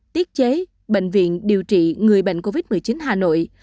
tiết chế bệnh viện điều trị người bệnh covid một mươi chín hà nội